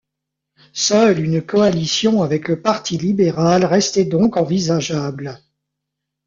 Seule une coalition avec le Parti Libéral restait donc envisageable.